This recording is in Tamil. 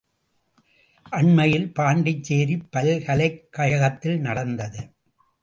அண்மையில் பாண்டிச்சேரிப் பல்கலைக் கழகத்தில் நடந்தது.